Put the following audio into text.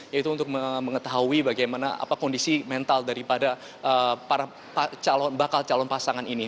yaitu untuk mengetahui bagaimana kondisi mental daripada para bakal calon pasangan ini